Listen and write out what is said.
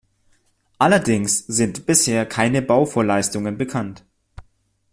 Allerdings sind bisher keine Bauvorleistungen bekannt.